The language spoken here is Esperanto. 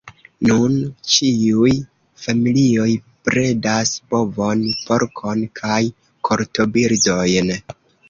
Nun ĉiuj familioj bredas bovon, porkon kaj kortobirdojn.